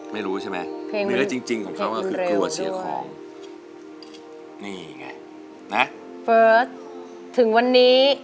ไม่รู้ใช่ไหม